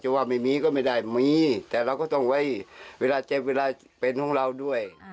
ว่าไม่มีก็ไม่ได้มีแต่เราก็ต้องไว้เวลาเจ็บเวลาเป็นของเราด้วย